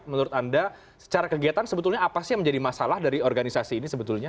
menurut anda secara kegiatan sebetulnya apa sih yang menjadi masalah dari organisasi ini sebetulnya